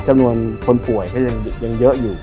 จำนวนคนป่วยก็ยังเยอะอยู่